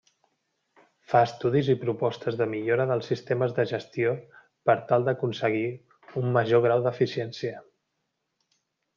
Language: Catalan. Fa estudis i propostes de millora dels sistemes de gestió per tal d'aconseguir un major grau d'eficiència.